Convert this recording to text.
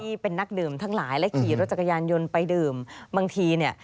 ที่เป็นนักดื่มทั้งหลายและขี่รถจักรยานยนต์ไปดื่มบางทีเนี่ย